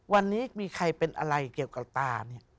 วันนี้มีใครเป็นอะไรเกี่ยวกับตาเนี่ย